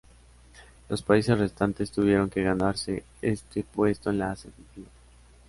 Los países restantes tuvieron que ganarse este puesto en la semifinal.